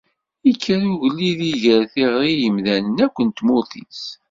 Ikker ugellid iger tiɣri i yimdanen akk n tmurt-is.